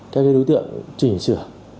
các đối tượng chỉnh sửa